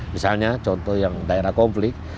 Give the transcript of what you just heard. misalnya contoh yang daerah konflik